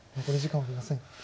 残り時間はありません。